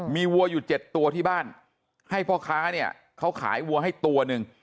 มีวัวอยู่๗ตัวที่บ้านให้พ่อค้าเนี่ยเขาขายวัวให้ตัวหนึ่ง